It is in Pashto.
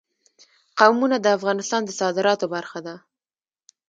قومونه د افغانستان د صادراتو برخه ده.